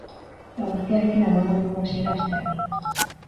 Eguzkiarekin emango diogu hasiera asteari.